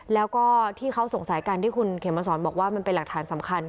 แล้วก็ที่เขาสงสัยกันที่คุณเขมมาสอนบอกว่ามันเป็นหลักฐานสำคัญ